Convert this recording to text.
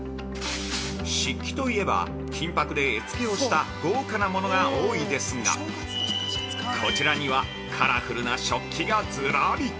◆漆器といえば、金箔で絵付けをした豪華なものが多いですが、こちらにはカラフルな食器がずらり。